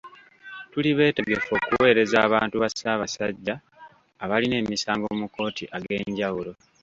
Tuli beetegefu okuweereza abantu ba Ssaabasajja abalina emisango mu makooti ag'enjewulo.